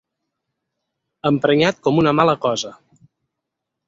Emprenyat com una mala cosa.